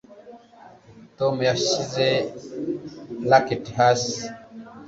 Tom yashyize racket hasi